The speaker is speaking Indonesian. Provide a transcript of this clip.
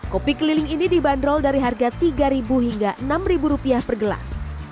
kopi keliling ini dibanderol dari harga tiga hingga enam rupiah per gelas